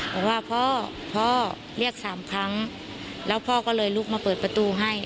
บอกว่าพ่อพ่อเรียกสามครั้งแล้วพ่อก็เลยลุกมาเปิดประตูให้